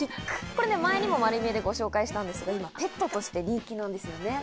これね、前にもまる見えでご紹介したんですけども、今、ペットとして人気なんですよね。